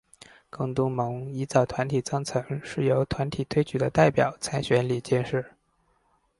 公督盟依照团体章程是由团体推举的代表参选理监事。